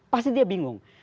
pasti dia bingung